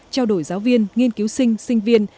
trao đổi giáo viên nghiên cứu sinh sinh viên